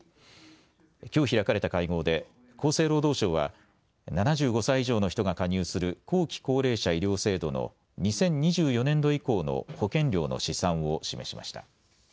きょう開かれた会合で厚生労働省は７５歳以上の人が加入する後期高齢者医療制度の２０２４年度以降の保険料の試算を示しました。